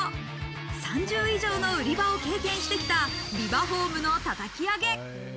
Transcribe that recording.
３０以上の売り場を経験してきたビバホームの叩き上げ。